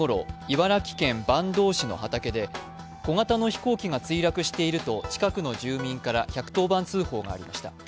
茨城県坂東市の畑で、小型の飛行機が墜落していると近くの住民から１１０番通報がありました。